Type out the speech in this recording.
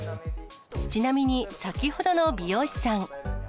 ちなみに、先ほどの美容師さん。